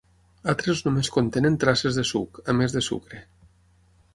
Altres només contenen traces de suc, a més de sucre.